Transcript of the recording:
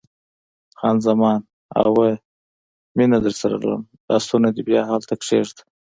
خان زمان: اوه، مینه درسره لرم، لاسونه دې بیا هلته کښېږده.